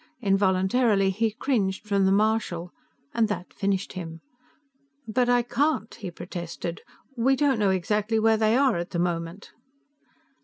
Involuntarily he cringed from the marshal, and that finished him. "But I can't," he protested. "We don't know exactly where they are at the moment."